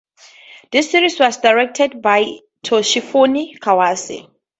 This series was directed by Toshifumi Kawase.